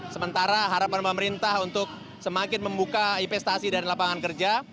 sementara harapan pemerintah untuk semakin membuka investasi dan lapangan kerja